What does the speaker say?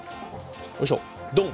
よいしょドン！